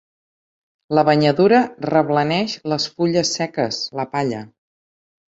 La banyadura reblaneix les fulles seques, la palla.